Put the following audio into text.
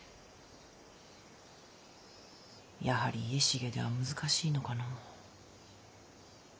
やはり家重では難しいのかのぅ。